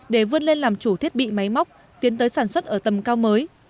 để vươn lên làm chủ thiết bị máy móc tiến tới sản xuất ở tầm cao mới